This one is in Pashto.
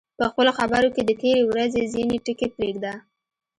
په خپلو خبرو کې د تېرې ورځې ځینې ټکي پرېږده.